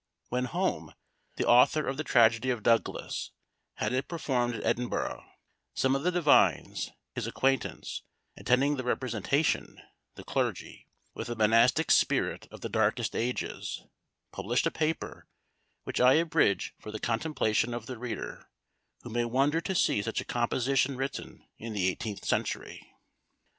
When Home, the author of the tragedy of Douglas, had it performed at Edinburgh, some of the divines, his acquaintance, attending the representation, the clergy, with the monastic spirit of the darkest ages, published a paper, which I abridge for the contemplation of the reader, who may wonder to see such a composition written in the eighteenth century."